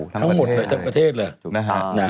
ทั้งประเทศเลย